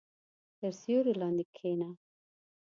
• تر سیوري لاندې کښېنه.